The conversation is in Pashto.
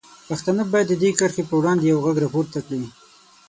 پښتانه باید د دې کرښې په وړاندې یوغږ راپورته کړي.